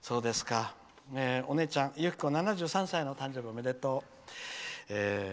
お姉ちゃんゆきこ、７３歳の誕生日おめでとう。